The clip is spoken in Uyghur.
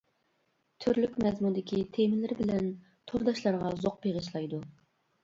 تۈرلۈك مەزمۇندىكى تېمىلىرى بىلەن تورداشلارغا زوق بېغىشلايدۇ.